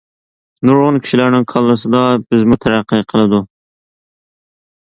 نۇرغۇن كىشىلەرنىڭ كاللىسىدا بىزمۇ تەرەققىي قىلىدۇر.